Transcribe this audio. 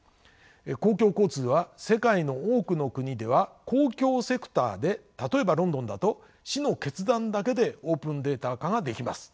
公共交通は世界の多くの国では公共セクターで例えばロンドンだと市の決断だけでオープンデータ化ができます。